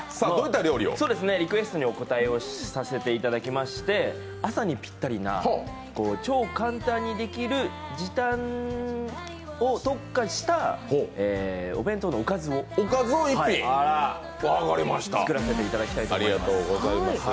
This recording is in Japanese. リクエストにお応えさせていただきまして、朝にぴったりな超簡単にできる時短に特化したお弁当のおかずを作らせていただきたいと思います。